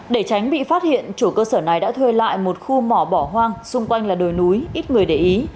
để tránh bị phát hiện chủ cơ sở này đã thuê lại một khu mỏ bỏ hoang xung quanh là đồi núi ít người để ý